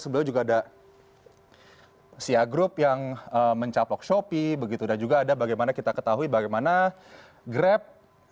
sebelumnya juga ada sia group yang mencaplok shopee begitu dan juga ada bagaimana kita ketahui bagaimana grab